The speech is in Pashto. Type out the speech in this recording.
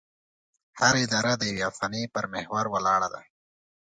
هره اداره د یوې افسانې پر محور ولاړه ده.